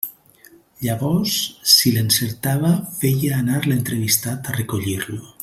Llavors, si l'encertava, feia anar l'entrevistat a recollir-lo.